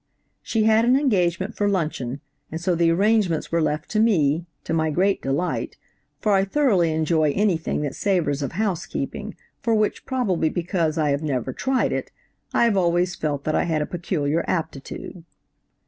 "She had an engagement for luncheon, and so the arrangements were left to me, to my great delight, for I thoroughly enjoy anything that savors of housekeeping, for which, probably because I have never tried it, I have always felt that I had a peculiar aptitude.